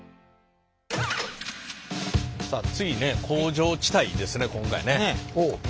さあ次ね工場地帯ですね今回ね。